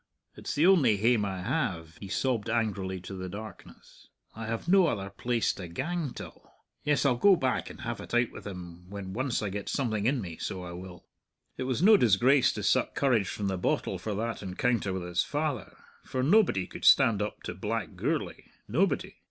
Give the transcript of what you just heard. "It's the only hame I have," he sobbed angrily to the darkness; "I have no other place to gang till! Yes, I'll go back and have it out with him when once I get something in me, so I will." It was no disgrace to suck courage from the bottle for that encounter with his father, for nobody could stand up to black Gourlay nobody.